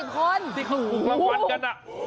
๕๐คนถูกครับว่ากันสิ